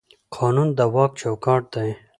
قانون د واک چوکاټ دی